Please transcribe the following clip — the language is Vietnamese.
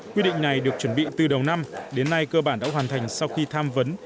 quy định này được chuẩn bị từ đầu năm đến nay cơ bản đã hoàn thành sau khi tham vấn